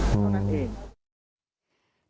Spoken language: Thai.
เท่านั้นเอง